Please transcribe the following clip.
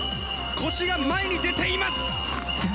腰が前に出ています！